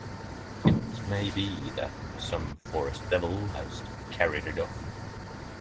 It may be that some forest-devil has carried it off.